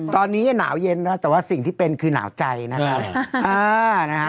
ตอนนี้หนาวเย็นแล้วแต่ว่าสิ่งที่เป็นคือหนาวใจนะครับ